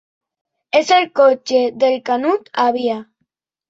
És el cotxe del Canut, àvia.